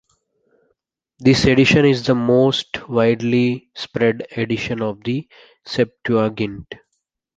This edition is the most widely spread edition of the Septuagint.